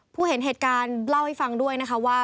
ผู้เห็นเหตุการณ์เล่าให้ฟังด้วยว่า